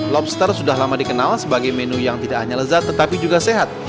lobster sudah lama dikenal sebagai menu yang tidak hanya lezat tetapi juga sehat